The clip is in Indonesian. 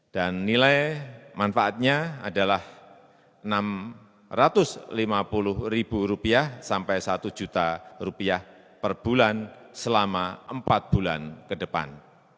dan nilai manfaatnya adalah rp enam ratus lima puluh satu juta per bulan selama empat bulan ke depan